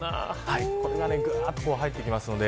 ぐっと入ってきますので。